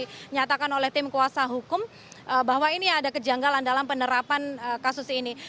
dinyatakan oleh tim kuasa hukum bahwa ini ada kejanggalan dalam penerapan kasus ini